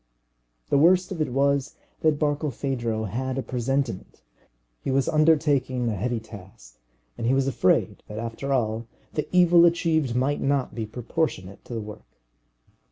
The worst of it was that Barkilphedro had a presentiment. He was undertaking a heavy task, and he was afraid that after all the evil achieved might not be proportionate to the work.